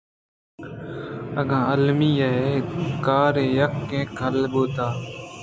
اگاں المیّ ایں کارے یاکہ حالے بوت